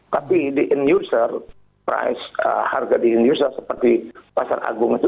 tapi di end user price harga di end user seperti pasar agung itu